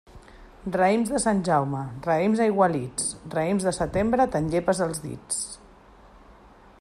Raïms de Sant Jaume, raïms aigualits; raïms de setembre, te'n llepes els dits.